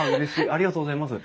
ありがとうございます。